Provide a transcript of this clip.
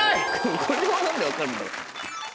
これ何で分かるんだろう？